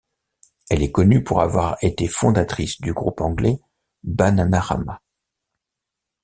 Elle est connue pour avoir été fondatrice du groupe anglais Bananarama.